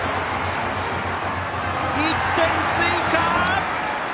１点追加！